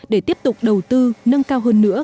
để tiếp tục đầu tư nâng cao hơn nữa